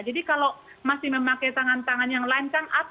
jadi kalau masih memakai tangan tangan yang lancang